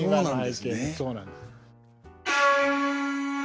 そうなんです。